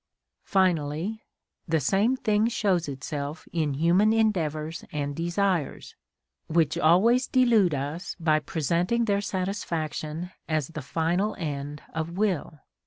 Finally, the same thing shows itself in human endeavours and desires, which always delude us by presenting their satisfaction as the final end of will.